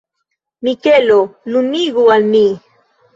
Mikelo, lumigu al mi.